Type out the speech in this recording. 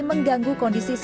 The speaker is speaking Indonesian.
mengganggu kondisi pandemi